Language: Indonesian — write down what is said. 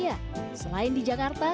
yes besides in jakarta